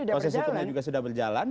proses hukumnya juga sudah berjalan